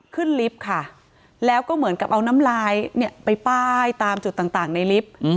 ลิฟต์ค่ะแล้วก็เหมือนกับเอาน้ำลายเนี่ยไปป้ายตามจุดต่างในลิฟต์